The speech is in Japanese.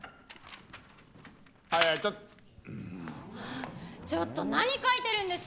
あちょっと何書いてるんですか！